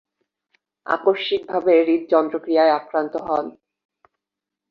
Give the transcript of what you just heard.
আকস্মিকভাবে হৃদযন্ত্রক্রীয়ায় আক্রান্ত হন।